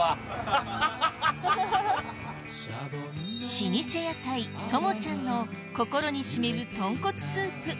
老舗屋台ともちゃんの心にしみる豚骨スープ